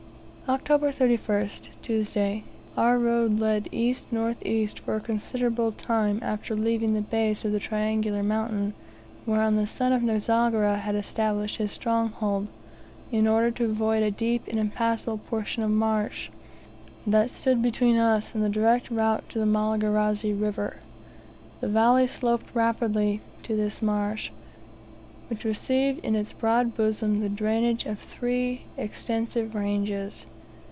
October 31st. Tuesday. Our road led E.N.E. for a considerable time after leaving the base of the triangular mountain whereon the son of Nzogera has established his stronghold, in order to avoid a deep and impassable portion of marsh, that stood between us and the direct route to the Malagarazi River. The valley sloped rapidly to this marsh, which received in its broad bosom the drainage of three extensive ranges.